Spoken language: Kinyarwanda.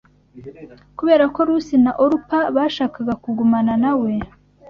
Kubera ko Rusi na Orupa bashakaga kugumana na we